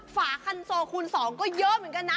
ฝาคันโซคูณ๒ก็เยอะเหมือนกันนะ